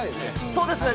そうですね。